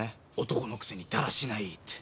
男のくせにだらしないって。